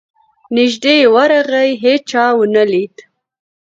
نیژدې ورغی هېچا ونه لید.